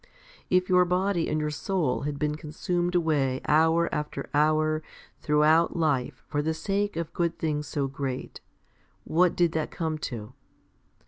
If your body and your soul had been consumed away hour after hour throughout life for the sake of good things so great, what did that come to